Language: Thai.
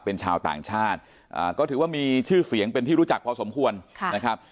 เป็นชาวต่างชาติก็ถือว่ามีชื่อเสียงเป็นที่รู้จักพอสมควรนะครับ